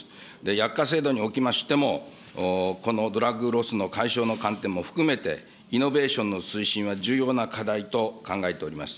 薬価制度におきましても、このドラッグロスの解消の観点も含めて、イノベーションの推進は重要な課題と考えております。